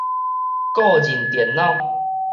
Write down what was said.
個人電腦